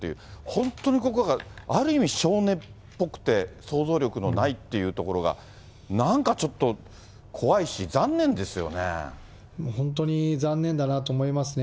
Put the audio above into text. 本当にここがある意味、少年っぽくて、想像力のないっていうところがなんかちょっと怖いし、本当に残念だなと思いますね。